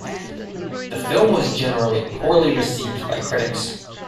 The film was generally poorly-received by critics.